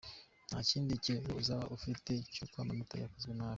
Nta kindi kirego azaba afite cy’uko amatora yakozwe nabi.